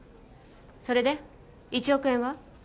それで１億円は？